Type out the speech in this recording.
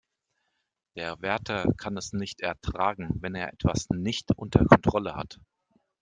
Der Wärter kann es nicht ertragen, wenn er etwas nicht unter Kontrolle hat.